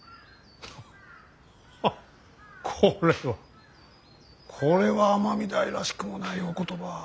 ハッこれはこれは尼御台らしくもないお言葉。